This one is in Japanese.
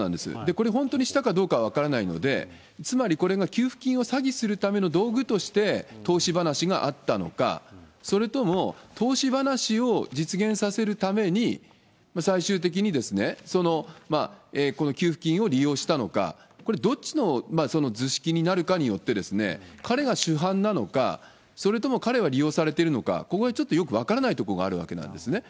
これ、本当にしたかどうかは分からないので、つまりこれが給付金を詐欺するための道具として投資話があったのか、それとも、投資話を実現させるために、最終的にこの給付金を利用したのか、これ、どっちの図式になるかによって、彼が主犯なのか、それとも彼は利用されているのか、ここはちょっとよく分からないところがあるわけですね。